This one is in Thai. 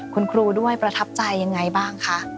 คุณครูด้วยประทับใจยังไงบ้างคะ